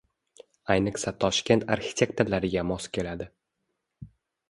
Ayniqsa Toshkent arxitektorlariga mos keladi.